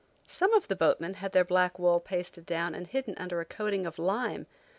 Some of the boatmen had their black wool pasted down and hidden under a coating of lime.